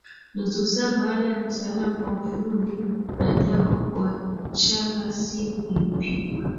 Nusu saa baada ya mtaalamu wa ufundi na Jacob kuachana simu ilipigwa